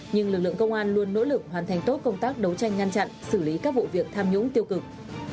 nhưng lực lượng công an luôn nỗ lực hoàn thành tốt công tác đấu tranh ngăn chặn xử lý các vụ việc tham nhũng tiêu cực